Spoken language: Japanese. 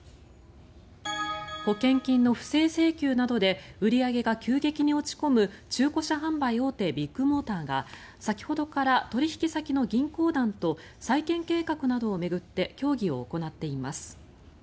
保険金の不正請求などで売り上げが急激に落ち込む中古車販売大手ビッグモーターが先ほどから取引先の銀行団と再建計画などを巡って協議を行っています。